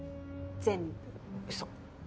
全部嘘。